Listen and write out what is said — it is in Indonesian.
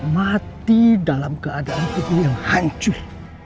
mati dalam keadaan tubuh yang hancur